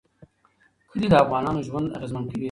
کلي د افغانانو ژوند اغېزمن کوي.